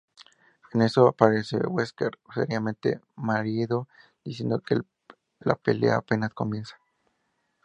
En eso, aparece Wesker, seriamente malherido, diciendo que "la pelea apenas comienza".